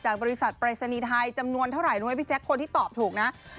จากบริษัทปรัศนียไทยจำนวนเท่าไรพี่แจ๊คคนที่ตอบถูก